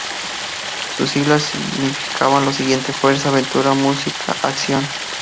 Sus siglas significan lo siguiente: Fuerza, Aventura, Música, Acción.